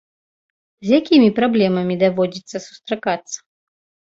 З якімі праблемамі даводзіцца сустракацца?